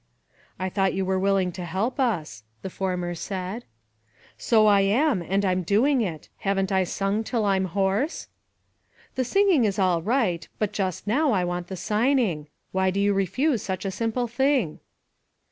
"I thought you were willing to help us?" the former said. " So I am ; and I'm doing it. Haven't I sung until I'm hoarse?" "The singing is all right; but just now I want the signing. Why do you refuse such a simple thing?"